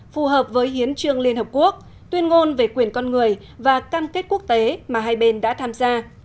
phù hợp với hiến trương liên hợp quốc tuyên ngôn về quyền con người và cam kết quốc tế mà hai bên đã tham gia